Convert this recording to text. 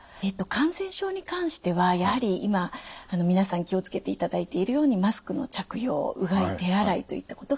感染症に関してはやはり今皆さん気を付けていただいているようにマスクの着用うがい手洗いといったことが重要になります。